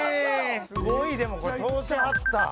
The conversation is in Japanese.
すごいでもこれ通しはった